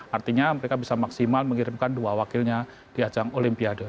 artinya mereka bisa maksimal mengirimkan dua wakilnya di ajang olimpiade